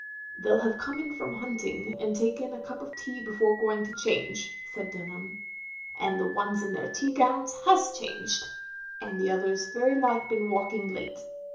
" "They '11 have come in from hunting and taken a cup of tea before going to change," said Dunham, "and the ones in their tea gowns has changed ; and the others very like been walking late.